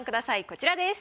こちらです。